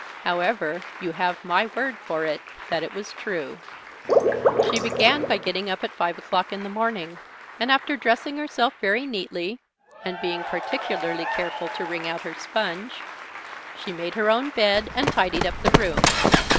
However, you have my word for it that it was true. She began by getting up at five o'clock in the morning, and after dressing herself very neatly (and being particularly careful to wring out her sponge) she made her own bed and tidied up the room.